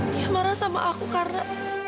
dia marah sama aku karena